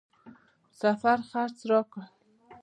سفر خرڅ راکړ.